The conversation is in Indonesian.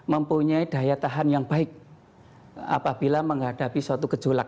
mempunyai daya tahan yang baik apabila menghadapi suatu gejolak